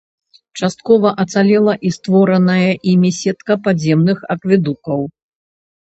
Часткова ацалела і створаная імі сетка падземных акведукаў.